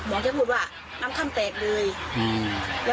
หมอแค่พูดว่าน้ำค่ำแตกเลย